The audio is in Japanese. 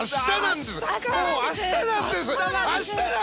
明日なんです！